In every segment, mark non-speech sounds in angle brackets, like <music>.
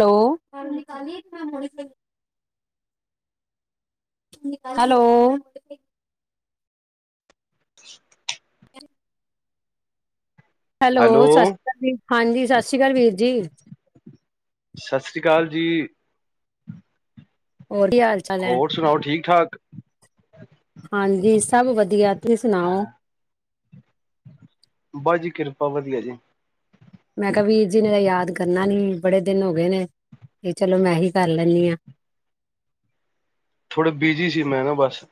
Hello. Hello. <inaudible> Hello ਸਤਿ ਸ਼੍ਰੀ ਅਕਾਲ ਜੀ, ਹਾਂਜੀ ਸਤਿ ਸ਼੍ਰੀ ਅਕਾਲ ਵੀਰ ਜੀ। ਸਤਿ ਸ੍ਰੀ ਅਕਾਲ ਜੀ। ਹੋਰ ਕੀ ਹਾਲ ਚਾਲ ਹੈ ਹੋਰ ਸੁਣਾਓ, ਠੀਕ ਠਾਕ। ਹਾਂਜੀ ਸਭ ਵਧੀਆ, ਤੁਸੀਂ ਸੁਣਾਓ। ਜੀ ਕਿਰਪਾ ਬਸ ਵਧੀਆ ਜੀ। ਮੈਂ ਕਿਹਾ ਵੀਰ ਜੀ ਨੇ ਤਾਂ ਯਾਦ ਕਰਨਾ ਨੀ, ਬੜੇ ਦਿਨ ਹੋ ਗਏ ਨੇ ਤੇ ਚਲੋ ਮੈਂ ਹੀ ਕਰ ਲੈਂਨੀ ਆਂ। ਥੋੜੇ ਬਿਜੀ ਸੀ ਮੈਂ ਨਾ ਬਸ।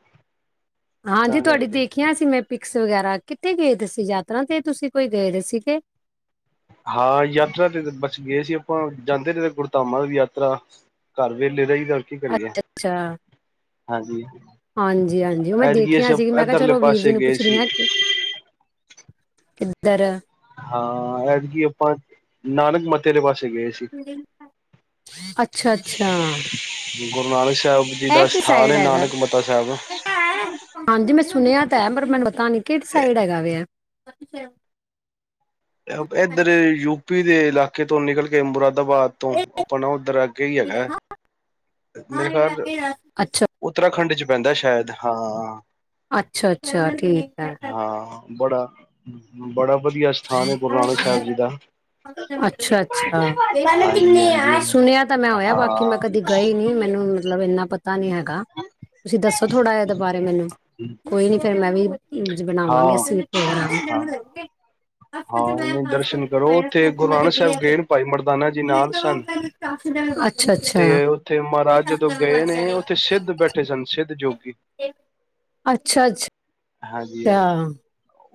ਹਾਂਜੀ ਤਾਂ ਤੁਹਾਡੀ ਕਰਕੇ ਦੇਖਿਆ ਸੀ ਮੈਂ ਪਿਕਸ ਵਗੈਰਾ, ਕਿੱਥੇ ਗਏ ਦੇ ਸੀ? ਯਾਤਰਾ ਤੇ ਤੁਸੀਂ ਕੋਈ ਗਏ ਦੀ ਸੀਗੇ। ਹਾਂ ਯਾਤਰਾ ਤੇ ਬਸ ਗਏ ਸੀ ਆਪਾਂ ਜਾਂਦੇ ਰਹਿੰਦੇ ਗੁਰਧਮਾ ਯਾਤਰਾ ਘਰ ਵੇਲੇ ਰਹੀ ਦਾ ਕੀ ਕਰੀਏ ਅੱਛਾ ਅੱਛਾ। ਹਾਂਜੀ। ਹਾਂਜੀ ਹਾਂਜੀ, ਉਹ ਮੈਂ ਐਤਕੀ ਦੇਖੀਆਂ ਅਸੀਂ ਸੀ ਮੈਂ ਕਿਹਾ ਇੱਧਰਲੇ ਚਲੋ ਵੀਰ ਜੀ ਪਾਸੇ ਨੂੰ ਗਏ ਪੁੱਛਦੀ ਸੀ ਆਂ ਕਿ ਹਾਂ ਐਦਕੀ ਆਪਾਂ ਨਾਨਕ ਮ। <unintelligible> ਅੱਛਾ-ਅੱਛਾ। ਗੁਰੂ ਨਾਨਕ ਸਾਹਿਬ ਜੀ ਐ ਦਾ ਕਿ ਸਥਾਨ ਸਾਈਡ ਹੈ ਹੈਗਾ? ਨਾਨਕ ਮੱਤਾ ਸਾਹਿਬ ਹਾਂਜੀ ਮੈਂ ਸੁਣਿਆ ਤਾਂ ਹੈ ਪਰ ਮੈਨੂੰ ਪਤਾ ਨੀ ਕਿਹੜੀ ਸਾਈਡ ਹੈਗਾ ਵੇ ਐ? <unintelligible> ਇਹ ਇਧਰ ਯੂ ਪੀ ਦੇ ਇਲਾਕੇ ਤੋਂ ਨਿਕਲ ਕੇ ਮੁਰਾ ਬਾਦ ਤੋਂ ਆਪਨਾ ਉੱਧਰ ਅਗੇ ਹੀ ਹੈਗਾ ਐ, ਮੇਰੇ ਖਿਆਲ ਅੱਛਾ, ਉੱਤਰਾਖੰਡ ਚ ਪੈਂਦਾ ਸ਼ਾਇਦ, ਹਾਂ। ਅੱਛਾ-ਅੱਛਾ, ਠੀਕ ਐ। ਹਾਂ ਬੜਾ, ਬੜਾ ਵਧੀਆ ਸਥਾਨ ਹੈ ਗੁਰੂ ਨਾਨਕ ਸਾਹਿਬ ਜੀ ਦਾ ਅੱਛਾ ਅੱਛਾ, ਹਾਂਜੀ ਹਾਂਜੀ ਸੁਣਿਆ ਤਾਂ ਮੈਂ ਹੋਇਆ, ਬਾਕੀ ਮੈਂ ਹਾਂ ਕਦੀ ਗਏ ਨੀ ਮੈਨੂੰ ਮਤਲਬ ਇੰਨਾ ਪਤਾ ਨੀ ਹੈਗਾ। ਤੁਸੀਂ ਦੱਸੋ ਥੋੜ੍ਹਾ ਇਹਦੇ ਬਾਰੇ ਮੈਨੂੰ, ਕੋਈ ਨੀ ਫੇਰ ਮੈਂ ਵੀ ਇੰਝ ਬਨਾਵਾਂਗੇ ਹਾਂ ਅਸੀਂ ਵੀ ਪ੍ਰੋਗਰਾਮ। ਹਾਂ ਹਾਂ ਦਰਸ਼ਨ ਕਰੋ ਉੱਥੇ, ਗੁਰੂ ਨਾਨਕ ਸਾਹਿਬ ਗਏਨ ਭਾਈ ਮਰਦਾਨਾ ਜੀ ਨਾਲ ਸਨ ਅੱਛਾ, ਤੇ ਉੱਥੇ ਮਹਾਰਾਜ ਜਦੋਂ ਗਏ ਨੇ, ਅੱਛਾ। ਉੱਥੇ ਸਿੱਧ ਬੈਠੇ ਸਨ, ਸਿੱਧ ਜੋਗੀ। ਅੱਛਾ ਅੱਛਾ ਹਾਂਜੀ ਹਾਂਜੀ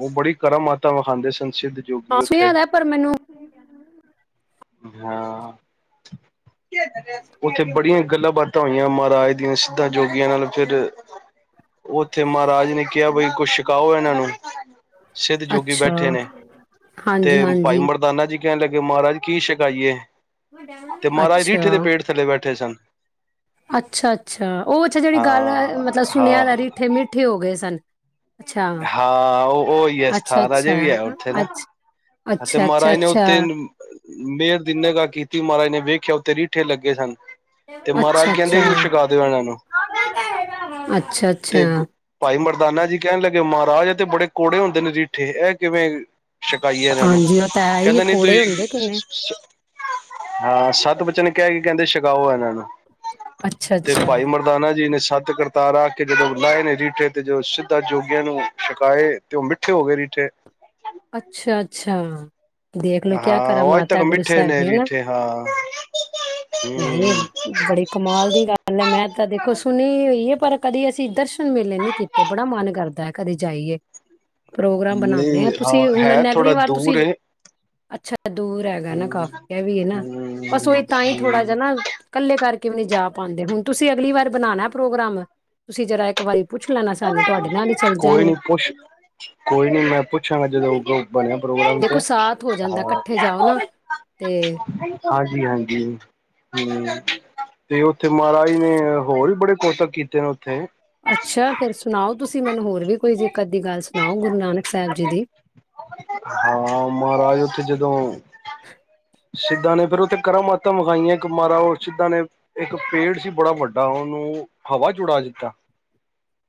ਉਹ ਬੜੀ ਕਰਮ ਮਾਤਾਵ ਵਿਖਾਾਂਂਦੇ ਸਨ ਸਿੱਧ ਜੋਗੀ ਹਾਂ ਉੱਥੇ ਸੁਿਆਦਾ ਪਰ ਮੈਨੂੰ ਹਾਂ ਉੱਥੇ ਬੜੀਆਂ ਗੱਲਾਂ ਬਾਤਾਂ ਹੋਈਆਂ ਮਹਾਰਾਜ ਦੀਆਂ ਸਿੱਧਾ ਜੋਗੀਆਂ ਨਾਲ ਫਿਰ ਉੱਥੇ ਮਹਾਰਾਜ ਨੇ ਕਿਹਾ ਬਈ ਕੁੱਛ ਛਕਾਓ ਇਹਨਾਂ ਨੂੰ ਸਿੱਧ ਜੋਗੀ ਅੱਛਾ ਬੈਠੇ ਨੇ ਹਾਂਜੀ ਤੇ ਭਾਈ ਹਾਂਜੀ ਮਰਦਾਨਾ ਜੀ ਕਹਿਣ ਲੱਗੇ ਮਹਾਰਾਜ ਕੀ ਸ਼ਛਿਕਾਈਏ ਤੇ ਮਹਾਰਾਜ ਰੀਠੇ ਦੇ ਅੱਛਾ ਪੇਟ ਥੱਲੇ ਬੈਠੇ ਸਨ ਅੱਛਾ ਅੱਛਾ ਉਹ ਅੱਛਾ ਜਿਹੜੀ ਹਾਂ ਗੱਲ ਮਤਲਬ ਸੁਣਿਆ ਦਾ ਹਾਂ ਰੀਠੇ ਮੀਠੇ ਹੋ ਗਏ ਸਨ ਅੱਛਾ ਹਾਂ ਉਹ ਹੀ ਹੈ ਅੱਛਾ ਸਥਾਨ ਅਜੇ ਅੱਛਾ ਵੀ ਹੈ ਉੱਥੇ ਨਾ ਅੱਛ ਤੇ ਅੱਛਾ ਅੱਛਾ ਮਹਾਰਾਜ ਨੇ ਅੱਛਾ ਉੱਥੇ ਮਿਹਰ ਦੀ ਨਗਾ ਕੀਤੀ ਮਹਾਰਾਜ ਨੇ ਵੇਖ ਰੱਖਿਆ ਉੱਤੇ ਰੀਠੇ ਲੱਗੇ ਸਨ ਤੇ ਮਹਾਰਾਜ ਅੱਛਾ ਕਹਿੰਦੇ ਅੱਛਾ ਛਕਾ ਦਿਓ ਇਹਨਾਂ ਨੂੰ ਅੱਛਾ ਅ ਤੇ ਭਾਈ ਮਰਦਾਨਾ ਜੀ ਕਹਿਣ ਲੱਗੇ ਮਹਾਰਾਜ ਤੇ ਬੜੇ ਕੜੇ ਹੁੰਦੇ ਨੇ ਰੀਠੇ ਇਹ ਕਿਵੇਂ ਛਕਾਈਏ ਇਹਨਾਂ ਨੂੰ ਹਾਂਜੀ ਉਹ ਤਾਂ ਹੈ ਹੀ ਕਹਿੰਦੇ ਨੀ ਕੌੜੇ ਹੁੰਦੇ ਕਿੰਨੇ ਤੁਸੀਂ ਹਾਂ ਸੱਤ ਬਚਨ ਕਿਹਾਹਿ ਗ ਕਹਿੰਦੇ ਛਕਾਓ ਇਹਨਾਂ ਨੂੰ ਅੱਛਾ ਤੇ ਅੱਛਾ ਭਾਈ ਮਰਦਾਨਾ ਜੀ ਨੇ ਸੱਤ ਕਰਤਾਰਾ ਜਦੋਂ ਲਾਏ ਨੇ ਰੀਠੇ ਤੇ ਜਦੋਂ ਸਿੱਧਾ ਜੋਗੀਆਂ ਨੂੰ ਛਕਾਏ ਤੇ ਉਹ ਮਿੱਠੇ ਹੋ ਗਏ ਰੀਠੇ ਅੱਛਾ ਅੱਛਾ ਦੇਖਲੋ ਕਿਆ ਹਾਂ ਕਰਾ ਉਹ ਅੱਜ ਤੱਕ ਮਾਤਾ ਗੁਰੂ ਮਿੱਠੇ ਸਾਹਿਬ ਨੇ ਨਾ ਰੀਠੇ ਹਾਂ ਹੂੰ ਨਹੀਂ ਬੜੀ ਕਮਾਲ ਦੀ ਗੱਲ ਹੈ ਮੈਂ ਤਾਂ ਦੇਖੋ ਸੁਣੀ ਹੋਈ ਹੈ ਪਰ ਕਦੀ ਅਸੀਂ ਇੱਧਰ ਮੇਲੇ ਨ ਕੀਤੇ ਬੜਾ ਮਨ ਕਰਦਾ ਹੈ ਕਦੇ ਜਾਈਏ ਪ੍ਰੋਗਰਾਮ ਬਣਾਉਂਦੇ ਆਾਂ ਨਹੀਂ ਹਾਂ ਹੈ ਥੋੜਾ ਦੂਰ ਅੱਛਾ ਦੂਰ ਹੈਗਾ ਨਾ ਹੂੰ, ਕਾਫੀ ਇਹ ਵੀ ਹੈ ਨਾ ਬਸ ਹੂੰ, ਉਹੀ ਤਾਂ ਹੀ ਥੋੜਾ ਜਾ ਹੂੰ। ਨਾ ਇਕੱਲੇ ਕਰਕੇ ਕਿਵੇਂ ਨਹੀਂ ਜਾ ਪਾਉਂਦੇ ਹੁਣ ਤੁਸੀਂ ਅਗਲੀ ਵਾਰ ਬਣਾਉਣਾ ਪ੍ਰੋਗਰਾਮ ਤੁਸੀਂ ਜਰਾ ਇੱਕ ਵਾਰੀ ਪੁੱਛ ਲੈਣਾ ਸਾਨੂੰ ਤੁਹਾਡੇ ਨਾਲ ਹੀ ਚੱਲ ਕੋਈ ਜਾਂਗੇ ਨੀ ਪੁੱਛ ਕੋਈ ਨੀ ਮੈਂ ਪੁੱਛਾਂਗਾ ਜਦੋਂ ਉਦੋਂ ਬਣਿਆ ਪ੍ਰੋਗਰਾਮ ਤੇ ਦੇਖੋ ਸਾਥ ਹੋ ਜਾਂਦਾ ਹਾ ਇਕੱਠੇ ਜਾਓ ਨਾ ਤੇ ਹਾਂਜੀ ਹਾਂਜੀ। ਹੂੰ ਤੇ ਉੱਥੇ ਮਹਾਰਾਜ ਨੇ ਹੋਰ ਵੀ ਬੜੇ ਕੋਤਕ ਕੀਤੇ ਨੇ ਉੱਥੇ। ਅੱਛਾ ਫੇਰ ਸੁਣਾਓ ਤੁਸੀਂ ਮੈਨੂੰ ਹੋਰ। ਵੀ ਕੋਈ ਜ਼ਿਕਰ ਦੀ ਗੱਲ ਸੁਣਾਓ ਗੁਰੂ ਨਾਨਕ ਸਾਹਿਬ ਜੀ ਦੀ। ਤੇ ਜਦੋਂ। ਸਿੱਧਾਂ ਨੇ ਫੇਰ ਉੱਥੇ ਕਰਾਂ ਮਾਤਾਂ ਵਿਖਾਈਆਂ ਇੱਕ ਮਾਰਾ ਉਹ ਸਿੱਧਾਂ ਨੇ ਇੱਕ ਪੇੜ ਸੀ ਬੜਾ ਵੱਡਾ ਉਹਨੂੰ ਹਵਾ ਚ ਉੱਡਾ ਦਿੱਤਾ।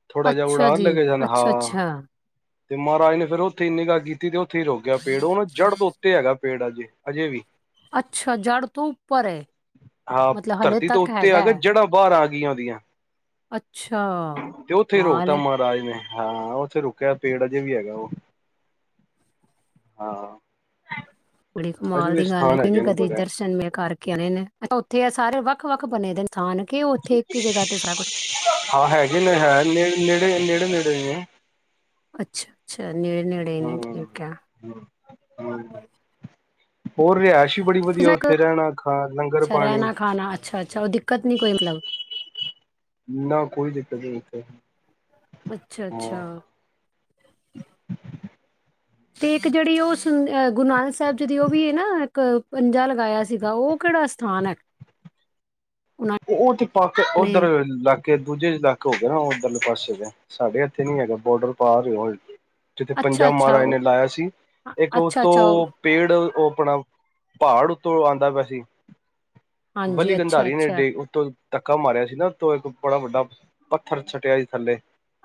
ਥੋੜਾ ਜਿਹਾ ਅੱਛਾ ਉਡਾ ਲੈ ਜੀ ਕੇ ਜਾਣਾ ਅੱਛਾ ਹਾਂ। ਅੱਛਾ ਤੇ ਮਹਾਰਾਜ ਨੇ ਫੇਰ ਉੱਥੇ ਨਿੰਗਾ ਕੀਤੀ ਤੇ। ਉੱਥੇ ਰੋਕ ਗਿਆ ਪੇੜ ਉਹਨੂੰ ਜੜ੍ਹ ਤੋਂ ਉੱਤੇ ਹੈਗਾ। ਪੇੜ ਅਜੇ ਅਜੇ ਵੀ। ਅੱਛਾ ਜੜ੍ਹ ਤੋਂ ਉੱਪਰ ਏ ਹਾਂ ਮਤਲਬ ਹਲੇੇ ਤੱਕ ਹੈਗਾ ਹੈ। ਕੀ ਆਉਂਦੀਆਂ। ਅੱਛਾ ਕਮਾਲ ਰੋਕਤਾ ਹੈ। ਮਹਾਰਾਜ ਨੇ ਹਾਂ ਉਥੇ ਰੁਕ। ਗਿਆ ਪੇੜ ਅਜੇ ਵੀ ਹੈਗਾ ਉਹ। ਹਾਂ। ਬੜੀ ਅਜੇ ਕਮਾਲ ਵੀ ਦੀ ਗੱਲ ਹੈ ਸਥਾਨ ਨਹੀਂ ਹੈਗੇ ਨਹੀਂ ਨੇ ਕਦੇ ਬੜੇ ਇਧਰ ਸੀਨਮੇ ਘਰ। ਕਹਿੰਦੇ ਨੇ ਉੱਥੇ ਆ ਸਾਰੇ ਵੱਖ ਵੱਖ ਬਣੇ ਦੇ ਨੇ। ਸਥਾਨ ਕਿ ਉੱਥੇ ਇੱਕ ਹੀ ਜਗ੍ਹਾ ਤੇ ਸਾਰਾ ਕੁਛ ਹਾਂ ਹੈਗੇ ਨੇ ਹੈ ਨੇ ਨੇੜੇ ਨੇੜੇ ਨੇੜੇ ਹੀ ਹੈ। ਅੱਛਾ ਅੱਛਾ। ਨੇੜੇ ਨੇੜੇ ਨੀ ਹਮ ਠੀਕ ਆ। ਹੋਰ ਵੀ ਅੱਛਾ ਪਾਣੀ ਰਹਿਣਾ ਖਾਣਾ ਅੱਛਾ ਅੱਛਾ ਉਹ ਦਿੱਕਤ ਨੀ ਕੋਈ ਮਤਲਬ। ਨਾ ਕੋਈ ਦਿੱਕਤ ਨੀ ਉੱਥੇ। ਅੱਛਾ ਹਾਂ ਅੱਛਾ। ਤੇ ਇੱਕ ਜਿਹੜੀ ਉਹ ਗੁਰੂ ਨਾਨਕ ਸਾਹਿਬ ਜੀ ਦੀ ਉਹ ਵੀ ਹੈ ਨਾ ਇੱਕ ਪੰਜਾ ਲਗਾਇਆ ਸੀਗਾ ਉਹ ਕਿਹੜਾ ਅਥਾਨ ਹੈ। ਉਹਨਾਂ ਉਹ ਤੇ ਪਾ ਕੇ ਨੇ ਉਧਰ ਦੂਜੇ ਇਲਾਕੇ ਹੋ ਗਏ ਨਾ ਉੱਧਰਲੇ ਪਾਸੇ ਦੇ ਸਾਡੇ ਇੱਥੇ ਨੀ ਹੈਗਾ ਬੋਡਰ ਪਾਰ। ਜਿੱਥੇ ਪੰਜਾਬ ਅੱਛਾ-ਅੱਛਾ ਮਹਾਰਾਜ ਨੇ ਉਹ ਲਾਇਆ ਸੀ ਇੱਕ ਉੱਥੋਂ ਅੱਛਾ-ਅੱਛਾ ਉਹ ਪੇੜ ਉਹ ਆਪਣਾ। ਪਹਾੜ ਉੱਤੋਂ ਆਉਂਦਾ ਪਿਆ ਸੀ। ਬਲੀ ਹਾਂਜੀ ਗੰਧਾਰੀ ਨੇ ਅੱਛਾ-ਅੱਛਾ ਡੇਗ ਦਿੱਤਾ ਤੋਂ ਧੱਕਾ ਮਾਰਿਆ ਸੀ ਨਾ ਉੱਤੋ ਇੱਕ ਬੜਾ ਵੱਡਾ ਪੱਥਰ ਸੱਟਿਆ ਸੀ ਥੱਲੇ।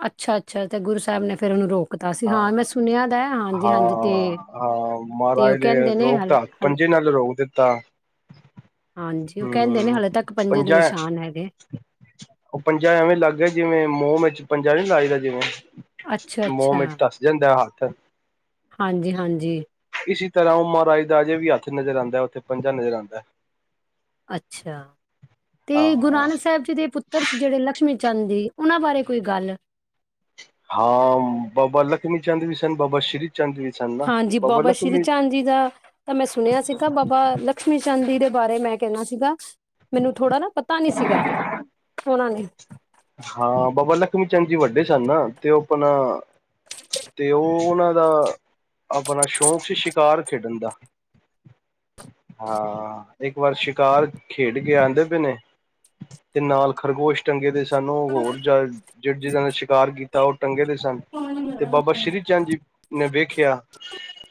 ਅੱਛਾ ਅੱਛਾ ਤੇ ਗੁਰੂ ਸਾਹਿਬ ਨੇ ਫਿਰ ਉਹਨੂੰ ਰੋਕਤਾ ਸੀ ਹਾਂ ਮੈਂ ਸੁਣਿਆ ਦਾ ਹਾਂਜੀ ਹਾਂ ਹਾਂਜੀ ਤੇ ਹਾਂ ਤੇ ਮਹਾਰਾਜ ਉਹ ਕਹਿੰਦੇ ਨੇ ਹਾਲ ਰੋਕਤਾ ਹਾਲ ਪੰਜੇ ਨਾਲ ਰੋਕ ਦਿੱਤਾ ਹਾਂਜੀ ਉਹ ਕਹਿੰਦੇ ਨੇ ਹਮ ਹਲੇੇ ਤੱਕ। ਪੰਜੇ ਦੇ ਪੰਜਾ ਨਿਸ਼ਾਨ ਹੈਗੇ ਉਹ ਪੰਜਾ ਐਵੇਂ ਲੱਗ ਗਿਆ ਸੀ ਜਿਵੇਂ ਮੋਹਮ। ਪੰਜਾ ਨੀ ਲਾਈਦਾ ਜਿਵੇਂ ਅੱਛਾ-ਅੱਛਾ ਮੋਹਮਟ ਤੱਸ ਜਾਂਦਾ ਹੱਥ ਹਾਂਜੀ-ਹਾਂਜੀ ਇਸੀ ਤੇ ਰਓ ਮਹਾਰਾਜ ਦਾ ਅਜੇ ਵੀ ਹੱਥ ਨਜ਼ਰ ਆਉਂਦਾ ਹੈ, ਉੱਥੇ ਪੰਜਾ ਨਜ਼ਰ ਆਉਂਦਾ ਹੈ। ਅੱਛਾ। ਤੇ ਗੁਰੂ ਨਾਨਕ ਸਾਹਿਬ ਜੀ ਦੇ ਪੁੱਤਰ ਸੀ ਜਿਹੜੇ ਲਕਸ਼ਮੀ ਚੰਦ ਉਹਨਾਂ ਬਾਰੇ ਕੋਈ ਗੱਲ ਹਾਂ ਬਾਬਾ ਲਖਮੀ ਚੰਦ ਵੀ ਸਨ, ਬਾਬਾ ਸ਼੍ਰੀ ਚੰਦ ਵੀ ਸਨ ਨਾ ਹਾਂਜੀ ਬਾਬਾ ਸ਼੍ਰੀ ਲਖਮੀ ਚੰਦ ਜੀ ਦਾ ਤਾਂ ਮੈਂ ਸੁਣਿਆ ਸੀਗਾ ਬਾਬਾ ਲਕਸ਼ਮੀ ਚੰ ਚੰਦ ਜੀ ਦੇ ਬਾਰੇ ਮੈਂ ਕਹਿਣਾ ਸੀਗਾ ਮੈਨੂੰ ਥੋੜਾ ਨਾ ਪਤਾ ਨੀ ਸੀਗਾ ਉਹਨਾਂ ਨੇ ਹਾਂ ਬਾਬਾ ਲਖਮੀ ਚੰਦ ਜੀ ਵੱਡੇ ਸਨ ਨਾ ਤੇ ਉਹ ਆਪਣਾ ਤੇ ਉਹ ਉਹਨਾਂ ਦਾ ਆਪਣਾ ਸ਼ੌਕ ਸੀ ਸ਼ਿਕਾਰ ਖੇਡਣ ਦਾ ਹਾਂ, ਇੱਕ ਵਾਰ ਸ਼ਿਕਾਰ ਖੇਡ ਕੇ ਆਂਦੇ ਪਏ ਨੇ ਤੇ ਨਾਲ ਖਰਗੋਸ਼ ਚੰਗੇ ਦੇ ਸਾਨੂੰ ਹੋਰ ਜਹ ਜਿਨਾਂ ਨੇ ਸ਼ਿਕਾਰ ਕੀਤਾ ਤਾਂ ਓਹ ਟੰਗੇ ਦੇ ਸਨ ਤੇ ਬਾਬਾ ਸ੍ਰੀ ਚੰਦ ਜੀ ਨੇ ਵੇਖਿਆ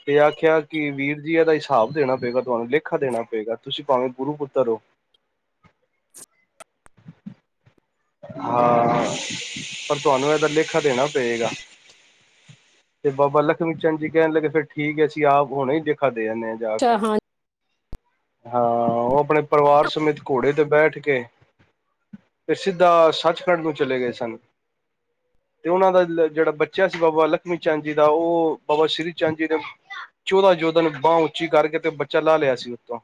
ਤੇ ਆਖਿਆ ਕਿ ਵੀਰ ਜੀ ਇਹਦਾ ਹਿਸਾਬ ਦੇਣਾ ਪਏਗਾ ਤੁਹਾਨੂੰ ਲੇਖਾ ਦੇਣਾ ਪਏਗਾ, ਤੁਸੀਂ ਭਾਵੇਂ ਗੁਰੂ ਪੁੱਤਰ ਹੋ। ਹਾਂ ਪਰ ਤੁਹਾਨੂੰ ਇਹਦਾ ਲੇਖਾ ਦੇਣਾ ਪਏਗਾ ਤੇ ਬਾਬਾ ਲਖਮੀ ਚੰਦ ਜੀ ਕਹਿਣ ਲੱਗੇ ਫਿਰ ਠੀਕ ਹੈ, ਅਸੀਂ ਆਪ ਹੁਣੇ ਹੀ ਦੇਖਾ ਦੇ ਆਂਦੇ ਆ ਜਾ ਕੇ। ਅੱਛਾ ਹਾਂ ਹਾਂ, ਉਹ ਆਪਣੇ ਪਰਿਵਾਰ ਸਮੇਤ ਘੋੜੇ ਤੇ ਬੈਠ ਕੇ ਸਿੱਧਾ ਸੱਚਖੰਡ ਨੂੰ ਚਲੇ ਗਏ ਸਨ ਤੇ ਉਹਨਾਂ ਦਾ ਜਿਹੜਾ ਬੱਚਾ ਸੀ, ਬਾਬਾ ਲਖਮੀ ਚੰਦ ਜੀ ਦਾ ਉਹ ਬਾਬਾ ਸ੍ਰੀ ਚੰਦ ਜੀ ਨੇ ਚੌਦਾਂ ਯੋਧਨ ਬਾਂਹ ਉੱਚੀ ਕਰਕੇ ਤੇ ਬੱਚਾ ਲਾਹ ਲਿਆ ਸੀ ਉੱਤੋਂ